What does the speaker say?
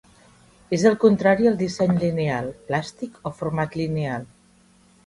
És el contrari al disseny lineal, plàstic o formal lineal.